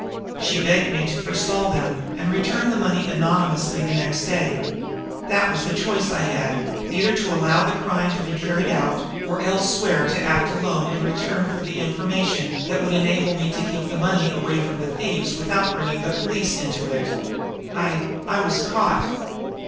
She begged me to forestall them, and return the money anonymously the next day. That was the choice I had either to allow the crime to be carried out, or else swear to act alone in return for the information that would enable me to keep the money away from the thieves without bringing the police into it. I I was caught.